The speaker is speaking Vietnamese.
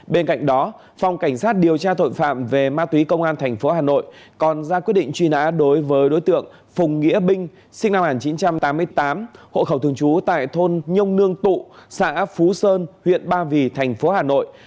bên cạnh đó phòng cảnh sát điều tra tội phạm về ma túy công an tp hà nội còn ra quyết định truy nã đối với đối tượng phùng nghĩa binh sinh năm một nghìn chín trăm tám mươi tám hộ khẩu thường trú tại thôn nhông nương tụ xã phú sơn huyện ba vì thành phố hà nội